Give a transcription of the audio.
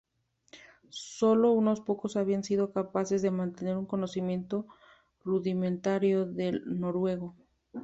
Sólo unos pocos habían sido capaces de mantener un conocimiento rudimentario del noruego.